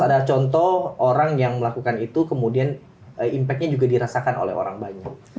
ada contoh orang yang melakukan itu kemudian impactnya juga dirasakan oleh orang banyak